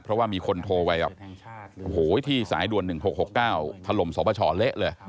เพราะว่ามีคนโทรไว้แบบที่สายด่วน๑๖๖๙พลมสวพชเละเลย